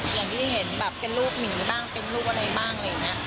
อย่างที่เห็นแบบเป็นลูกหมีบ้างเป็นลูกอะไรบ้างเลยนะ